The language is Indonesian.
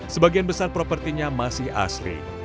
sebagian besar propertinya masih asri